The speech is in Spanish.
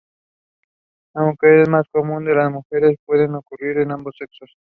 Aunque es más común en las mujeres, puede ocurrir en ambos sexos.